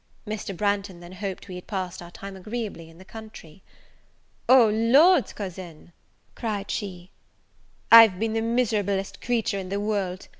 Mr. Branghton then hoped we had passed our time agreeably in the country. "O Lord, cousin," cried she, "I've been the miserablest creature in the world!